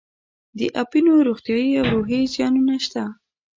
د اپینو روغتیایي او روحي زیانونه شته.